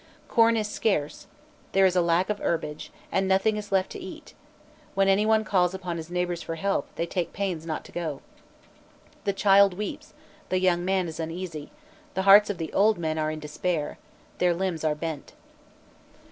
Corn is scarce, there is a lack of herbage, and nothing is left to eat: when any one calls upon his neighbours for help, they take pains not to go. The child weeps, the young man is uneasy, the hearts of the old men are in despair, their limbs are bent."